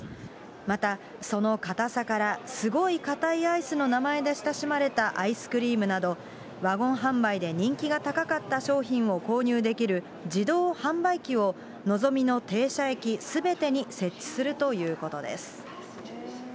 またその硬さからすごい硬いアイスの名前で親しまれたアイスクリームなど、ワゴン販売で人気が高かった商品を購入できる自動販売機を、のぞみの停車駅すべてに設置するということです。